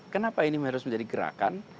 kenapa ini harus menjadi gerakan